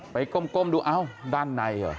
ไปก้มดูด้านในเหรอ